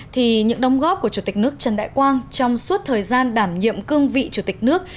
thì những đồng góp của chủ tịch nước trần đại quang trong suốt thời gian đảm nhiệm cương vị chủ tịch nước